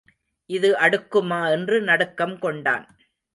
இது அடுக்குமா என்று நடுக்கம் கொண்டான்.